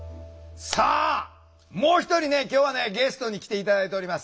さあもう一人ね今日はねゲストに来て頂いております。